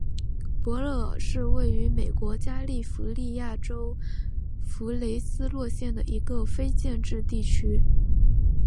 伯勒尔是位于美国加利福尼亚州弗雷斯诺县的一个非建制地区。